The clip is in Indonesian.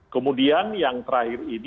kemudian yang terakhir ini